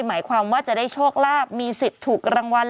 หมายความว่าจะได้โชคลาภมีสิทธิ์ถูกรางวัล